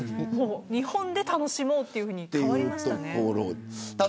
日本で楽しもうというふうに変わりました。